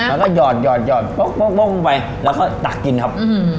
แล้วก็หยอดโป๊กลงไปแล้วก็ตักกินครับ